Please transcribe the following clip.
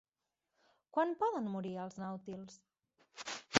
Quan poden morir els nàutils?